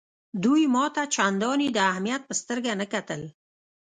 دوی ما ته چنداني د اهمیت په سترګه نه کتل.